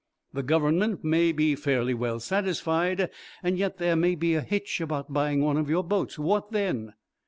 "The Government may be fairly well satisfied, and yet there may be a hitch about buying one of your boats. What, then?"